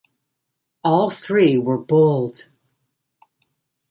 All three were bowled.